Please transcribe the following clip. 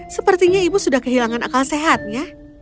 sepertinya ibu sudah kehilangan akal sehatnya